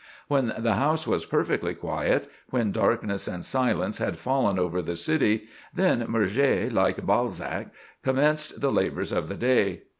When the house was perfectly quiet, when darkness and silence had fallen over the city, then Murger, like Balzac, commenced the labors of the day.